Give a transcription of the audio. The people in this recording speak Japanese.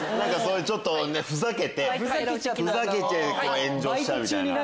ちょっとふざけてふざけて炎上しちゃうみたいな。